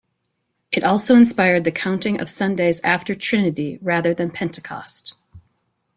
It also inspired the counting of Sundays after Trinity rather than Pentecost.